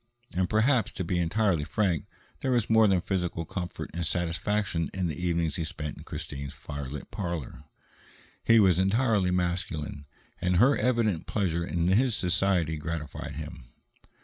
And perhaps, to be entirely frank, there was more than physical comfort and satisfaction in the evenings he spent in Christine's firelit parlor. He was entirely masculine, and her evident pleasure in his society gratified him.